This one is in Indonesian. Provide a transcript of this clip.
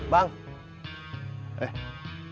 udin pengen nyak sehat